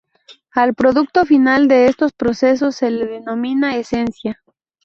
Al producto final de estos procesos se le denomina "esencia".